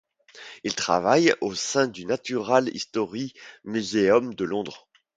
Il travaille au sein du Natural History Museum de Londres.